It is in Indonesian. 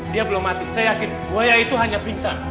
dia belum mati saya yakin buaya itu hanya pingsan